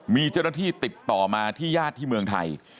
มีเจ้าหน้าที่ติดต่อมาที่ญาติที่เมืองไทย